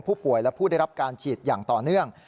ผู้ป่วยและผู้ได้รับการฉีดอย่างต่อเนื่อง